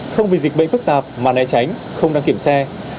không vì dịch bệnh phức tạp mà né tránh không đăng kiểm xe